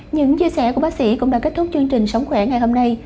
những chia sẻ của bác sĩ cũng đã kết thúc chương trình sống khỏe ngày hôm nay